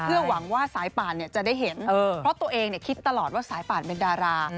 หวังว่าสายป่านจะได้เห็นเพราะตัวเองคิดตลอดว่าสายป่านเป็นดารา